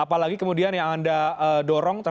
apalagi kemudian yang anda dorong